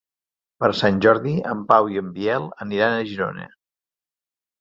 Per Sant Jordi en Pau i en Biel aniran a Girona.